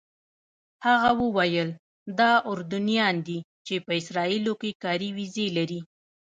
هغه وویل دا اردنیان دي چې په اسرائیلو کې کاري ویزې لري.